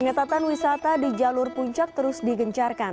pengetatan wisata di jalur puncak terus digencarkan